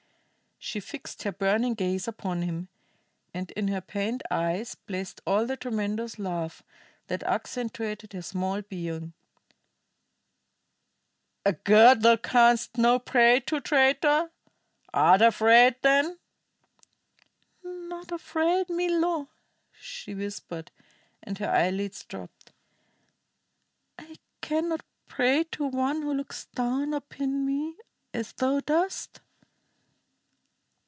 She fixed her burning gaze upon him, and in her pained eyes blazed all the tremendous love that actuated her small being. "A God thou canst not pray to, traitor? Art afraid, then?" "Not afraid, Milo," she whispered, and her eyelids drooped. "I cannot pray to one who looks down upon me as thou dost."